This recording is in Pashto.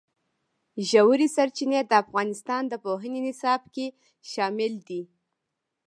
ژورې سرچینې د افغانستان د پوهنې نصاب کې شامل دي.